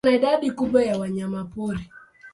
Kuna idadi kubwa ya wanyamapori.